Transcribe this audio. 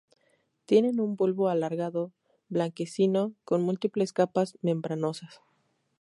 Tienen un bulbo alargado, blanquecino, con múltiples capas membranosas.